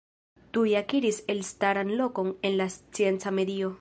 Tuj akiris elstaran lokon en la scienca medio.